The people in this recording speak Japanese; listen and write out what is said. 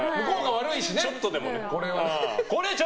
ちょっとでもね。